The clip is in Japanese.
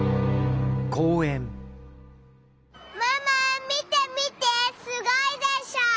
ママ見て見てすごいでしょ？